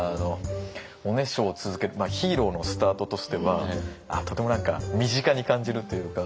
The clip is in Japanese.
おねしょを続けるヒーローのスタートとしてはとても身近に感じるというか。